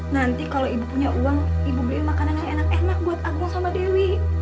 nanti kalau ibu punya uang ibu beli makanannya enak enak buat agung sama dewi